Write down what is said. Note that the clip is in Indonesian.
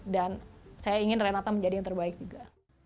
dan saya ingin renata menjadi yang terbaik juga